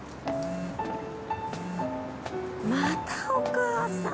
またお母さん！